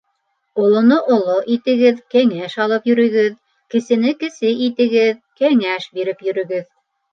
Олоно оло итегеҙ, кәңәш алып йөрөгөҙ, кесене кесе итегеҙ, кәңәш биреп йөрөгөҙ.